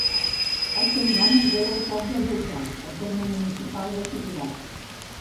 El seu nom el deu al poble d'Ordal, al terme municipal de Subirats.